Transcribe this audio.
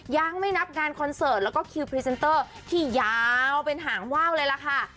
ยังไม่นับงานคอนเสิร์ตแล้วก็คิวพรีเซนเตอร์ที่ยาวเป็นหางว่าวเลยล่ะค่ะ